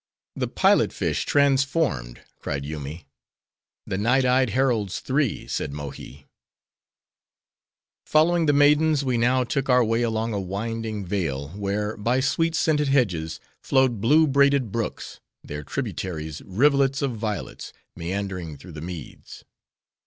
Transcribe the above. "The pilot fish transformed!" cried Yoomy. "The night eyed heralds three!" said Mohi. Following the maidens, we now took our way along a winding vale; where, by sweet scented hedges, flowed blue braided brooks; their tributaries, rivulets of violets, meandering through the meads.